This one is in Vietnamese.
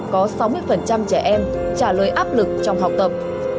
có sáu mươi trẻ em trả lời áp lực trong học tập